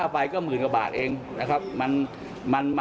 ไปก็หมื่นกว่าบาทเองนะครับ